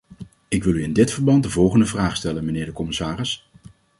Ik wil u in dit verband de volgende vraag stellen, mijnheer de commissaris.